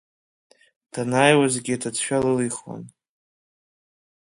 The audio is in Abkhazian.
Данааиуазгьы аҭыӡшәа лылихуан.